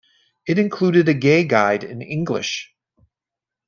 It included a Gay Guide in English.